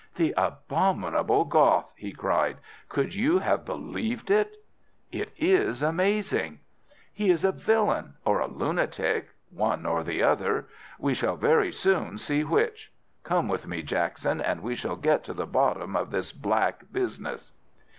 "The abominable Goth!" he cried. "Could you have believed it?" "It is amazing." "He is a villain or a lunatic—one or the other. We shall very soon see which. Come with me, Jackson, and we shall get to the bottom of this black business."